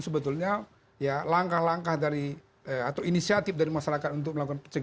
sebetulnya langkah langkah dari atau inisiatif dari masyarakat untuk melakukan pecah pecah